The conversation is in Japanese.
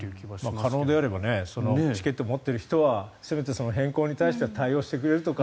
可能であればチケットを持っている人はせめて変更に対しては対応してくれるとか。